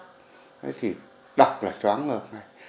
thế thì đọc là chóng ngợp ngay